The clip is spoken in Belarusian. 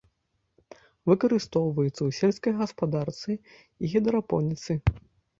Выкарыстоўваецца ў сельскай гаспадарцы і гідрапоніцы.